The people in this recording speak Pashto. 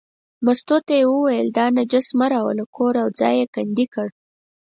مستو ته یې وویل دا نجس مه راوله، ګوره ځای یې کندې کړ.